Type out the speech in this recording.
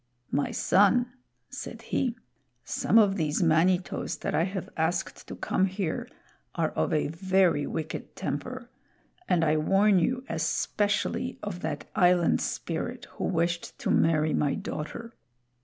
"My son," said he, "some of these Manitos that I have asked to come here are of a very wicked temper, and I warn you especially of that Island Spirit who wished to marry my daughter.